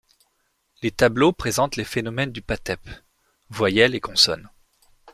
Les tableaux présentent les phonèmes du patep: voyelles et consonnes.